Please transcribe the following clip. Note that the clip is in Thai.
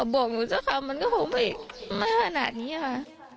บอกหนูจ้ะค่ะมันก็ผมอีกไม่ขนาดนี้ค่ะ